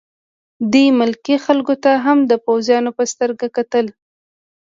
دوی ملکي خلکو ته هم د پوځیانو په سترګه کتل